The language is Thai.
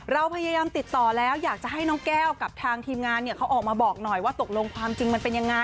เราพยายามติดต่อแล้วอยากจะให้น้องแก้วกับทางทีมงานเนี่ยเขาออกมาบอกหน่อยว่าตกลงความจริงมันเป็นยังไง